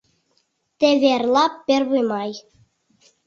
Теве эрла Первый май.